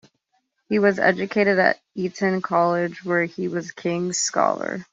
He was educated at Eton College where he was a King's Scholar.